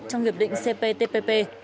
trong hiệp định cptpp